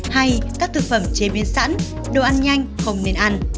hay các thực phẩm chế biến sẵn đồ ăn nhanh không nên ăn